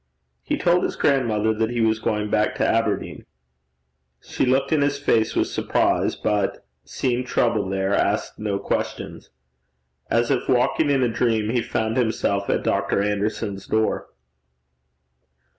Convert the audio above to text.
He told his grandmother that he was going back to Aberdeen. She looked in his face with surprise, but seeing trouble there, asked no questions. As if walking in a dream, he found himself at Dr. Anderson's door.